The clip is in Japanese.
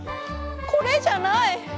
これじゃない！